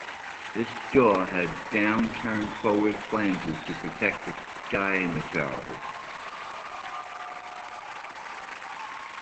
This jaw had down-turned forward flanges to protect the scimitars.